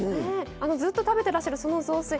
ずっと食べてらっしゃるその雑炊。